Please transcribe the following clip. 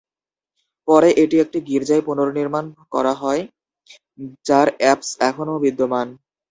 পরে এটি একটি গির্জায় পুনর্নির্মাণ করা হয়, যার এপস্ এখনও বিদ্যমান।